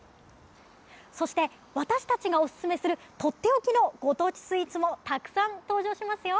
そして私たちがおすすめするとっておきのご当地スイーツもたくさん登場しますよ！